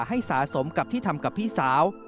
ให้สะสมกับที่ทำกับพี่สาว